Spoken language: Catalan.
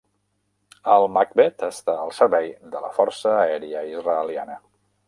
El Machbet està al servei de la força aèria israeliana.